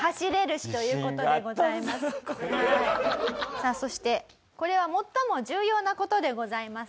さあそしてこれは最も重要な事でございます。